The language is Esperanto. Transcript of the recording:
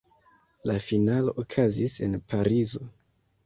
La finalo okazis en Parizo.